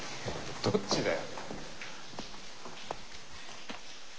どっちだよ。